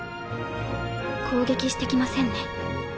攻撃してきませんね。